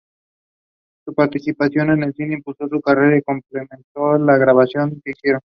Su participación en el cine impulsó su carrera y complementó la grabaciones que hicieron.